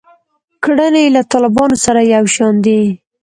کړنې یې له طالبانو سره یو شان دي.